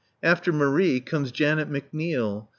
After Marie comes Janet McNeil.